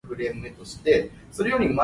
大廟無收，小廟無留